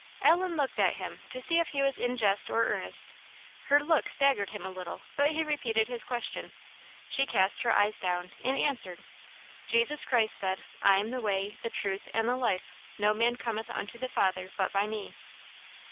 Ellen looked at him, to see if he was in jest or earnest. Her look staggered him a little, but he repeated his question. She cast her eyes down, and answered "Jesus Christ said, 'I am the way, the truth, and the life; no man cometh unto the Father but by me.'